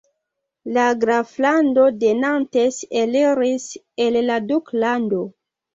La graflando de Nantes eliris el la duklando.